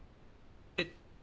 えっ？